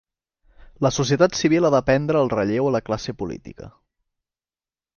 La societat civil ha de prendre el relleu a la classe política.